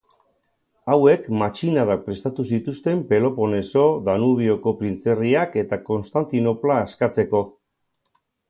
Hauek matxinadak prestatu zituzten Peloponeso, Danubioko printzerriak eta Konstantinopla askatzeko.